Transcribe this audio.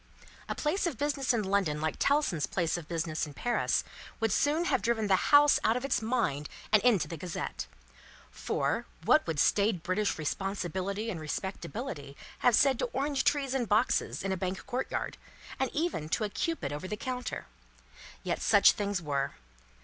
A place of business in London like Tellson's place of business in Paris, would soon have driven the House out of its mind and into the Gazette. For, what would staid British responsibility and respectability have said to orange trees in boxes in a Bank courtyard, and even to a Cupid over the counter? Yet such things were.